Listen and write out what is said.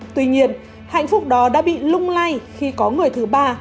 tuy nhiên hạnh phúc đó đã bị lung lay khi có người thứ ba